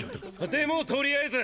でもとりあえず！